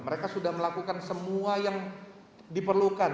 mereka sudah melakukan semua yang diperlukan